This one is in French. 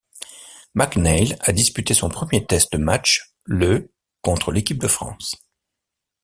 MacNeill a disputé son premier test match, le contre l'équipe de France.